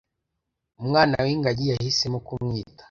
umwana w’ingagi yahisemo kumwita